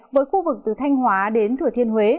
với khu vực từ thanh hóa đến thừa thiên huế